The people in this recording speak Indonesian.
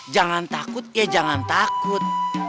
jangan takut ya jangan takut